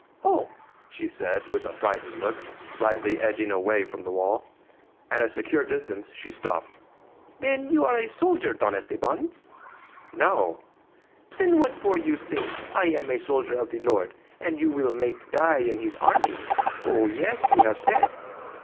"Oh!" she said, with a frightened look, slightly edging away from the wall. At a secure distance she stopped. "Then you are a soldier, Don Esteban?" "No!" "Then what for you sink 'I am a soldier of the Lord,' and you will make die 'in His army'? Oh, yes; you have said."